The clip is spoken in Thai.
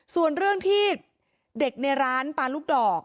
ส่วนเรื่องที่เด็กในร้านปลาลูกดอก